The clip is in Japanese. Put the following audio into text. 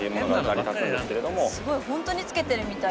すごいホントにつけてるみたいです。